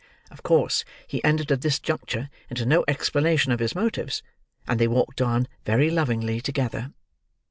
Of course, he entered at this juncture, into no explanation of his motives, and they walked on very lovingly together.